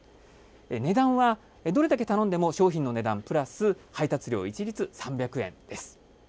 値段はどれだけ頼んでも、商品の値段プラス配達料一律３００円です。